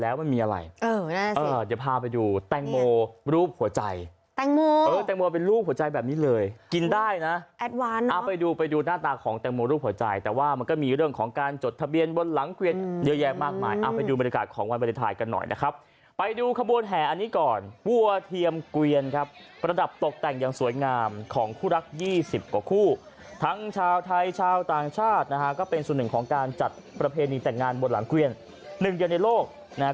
วันนี้ศัตรูเรานะครับอบอวมไปด้วยสติกเกอร์ของรูปหัวใจของน้องมิ้น